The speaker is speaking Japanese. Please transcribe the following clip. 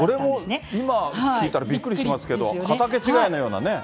これも今聞いたらびっくりしますけど、畑違いのようなね。